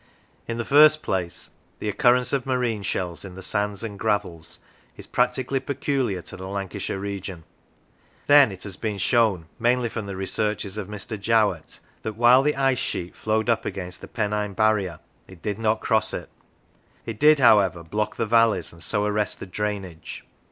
In the first place the occurrence of marine shells in the sands and gravels is practically peculiar to the Lancashire region. Then it has been shown, mainly from the researches of Mr. Jowett, that, while the ice sheet flowed up against the Pennine barrier, it did not cross it. It did, however, block the valleys, and so arrest the drainage.